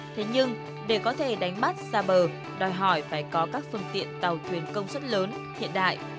thế nhưng để có thể đánh bắt xa bờ đòi hỏi phải có các phương tiện tàu thuyền công suất lớn hiện đại